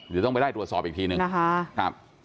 เดี๋ยวต้องไปไล่ตรวจสอบอีกทีหนึ่งนะคะ